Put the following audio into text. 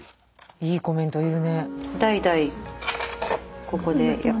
いいコメント言うね。